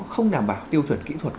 không đảm bảo tiêu chuẩn kỹ thuật